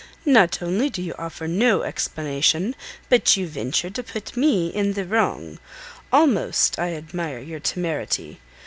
"Not only do you offer no explanation, but you venture to put me in the wrong. Almost I admire your temerity.